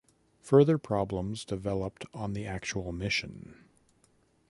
Further problems developed on the actual mission.